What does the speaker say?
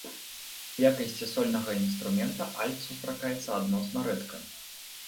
У якасці сольнага інструмента альт сустракаецца адносна рэдка.